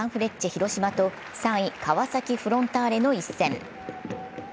広島と３位・川崎フロンターレの一戦。